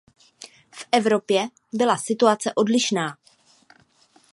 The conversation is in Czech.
V Evropě byla situace odlišná.